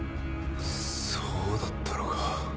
そうだったのか。